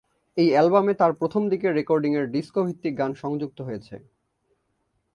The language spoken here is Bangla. এই অ্যালবামে তার প্রথম দিকের রেকর্ডিংয়ের ডিস্কো ভিত্তিক গান সংযুক্ত হয়েছে।